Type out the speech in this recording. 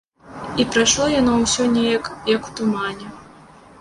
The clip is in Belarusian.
І прайшло яно ўсё неяк, як у тумане.